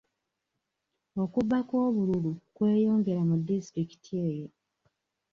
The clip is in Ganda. Okubba kw'obululu kweyongera mu disitulikiti eyo.